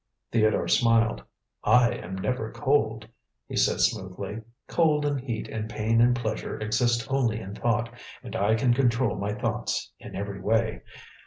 Theodore smiled. "I am never cold," he said smoothly; "cold and heat and pain and pleasure exist only in thought, and I can control my thoughts in every way.